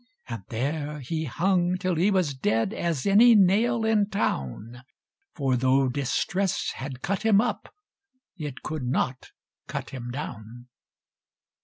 And there he hung, till he was dead As any nail in town, For though distress had cut him up, It could not cut him down!